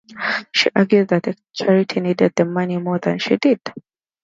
She argued that the charity needed the money more than she did.